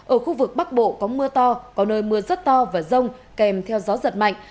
ở khu vực bắc bộ có mưa to có nơi mưa rất to và rông kèm theo gió giật mạnh